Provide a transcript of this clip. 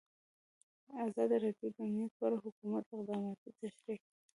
ازادي راډیو د امنیت په اړه د حکومت اقدامات تشریح کړي.